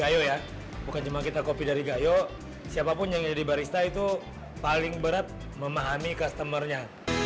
yang jadi barista itu paling berat memahami customernya